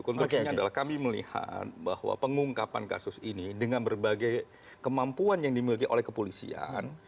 konstruksinya adalah kami melihat bahwa pengungkapan kasus ini dengan berbagai kemampuan yang dimiliki oleh kepolisian